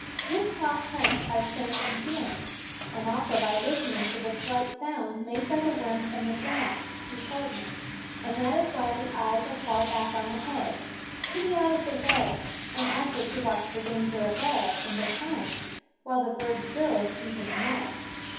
Woodcock hunt by scent and feeling, and also by listening for the slight sounds made by the worms underground, he told me, and that is why the eyes are far back on the head, to be out of the way, and also to watch for danger above and behind while the bird's bill is deep in the mud.